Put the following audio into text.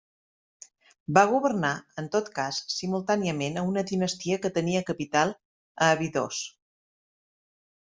Va governar, en tot cas, simultàniament a una dinastia que tenia capital a Abidos.